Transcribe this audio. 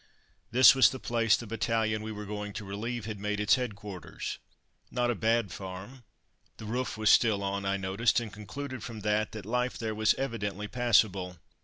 This was the place the battalion we were going to relieve had made its headquarters. Not a bad farm. The roof was still on, I noticed, and concluded from that that life there was evidently passable.